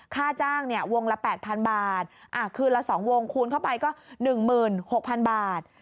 ค่าจ้างวงละ๘๐๐๐บาทคืนละ๒วงคูณเข้าไปก็๑๖๐๐๐บาท